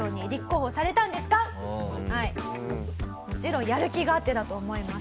もちろんやる気があってだと思います。